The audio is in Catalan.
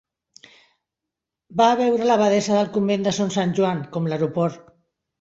Va a veure l’abadessa del convent de son Sant Joan, com l'aeroport.